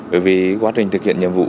bởi vì quá trình thực hiện nhiệm vụ